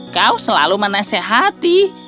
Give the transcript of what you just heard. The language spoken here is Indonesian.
kau selalu menasehati